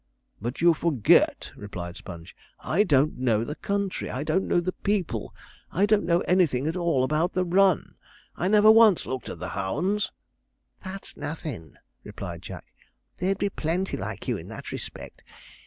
'But you forget,' replied Sponge, 'I don't know the country, I don't know the people, I don't know anything at all about the run I never once looked at the hounds.' 'That's nothin',' replied Jack, 'there'd be plenty like you in that respect.